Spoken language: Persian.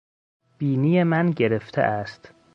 بینی من گرفته است.